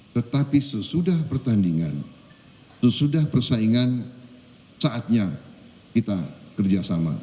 tetapi sesudah pertandingan sesudah persaingan saatnya kita kerjasama